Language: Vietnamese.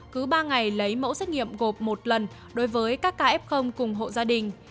cứ ba ngày lấy mẫu xét nghiệm gộp một lần đối với các ca f cùng hộ gia đình